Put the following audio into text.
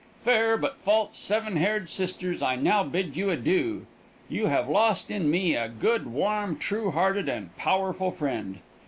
Fair, but false seven haired sisters, I now bid you adieu. You have lost in me a good, warm, true hearted, and powerful friend.